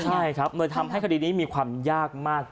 ใช่ครับเลยทำให้คดีนี้มีความยากมาก